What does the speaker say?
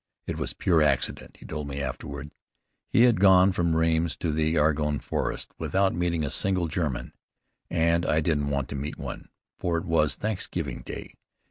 "It was pure accident," he told me afterward. He had gone from Rheims to the Argonne forest without meeting a single German. "And I didn't want to meet one; for it was Thanksgiving Day.